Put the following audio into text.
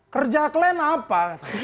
kerja kalian apa